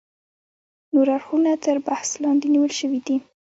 نور اړخونه تر بحث لاندې نیول شوي دي.